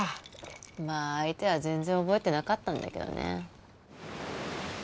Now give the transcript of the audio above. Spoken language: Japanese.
まあ相手は全然覚えてなかったんだけどね